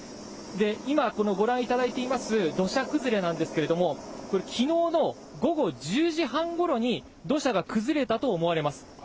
今、このご覧いただいています土砂崩れなんですけれども、きのうの午後１０時半ごろに、土砂が崩れたと思われます。